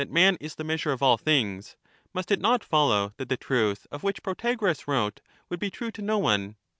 229 man is the measure of all things, must it not follow that the Theaetetus, 171 truth of which Protagoras wrote would be true to no one?